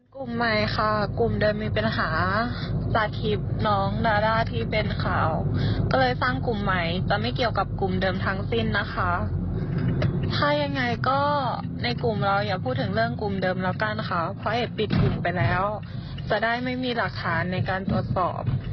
กลุ่มใหม่ค่ะกลุ่มเดิมมีปัญหาสาธิตน้องดาร่าที่เป็นข่าวก็เลยสร้างกลุ่มใหม่จะไม่เกี่ยวกับกลุ่มเดิมทั้งสิ้นนะคะถ้ายังไงก็ในกลุ่มเราอย่าพูดถึงเรื่องกลุ่มเดิมแล้วกันค่ะเพราะเอกปิดกลุ่มไปแล้วจะได้ไม่มีหลักฐานในการตรวจสอบ